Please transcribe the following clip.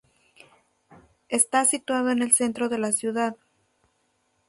Está situado en el centro de la ciudad.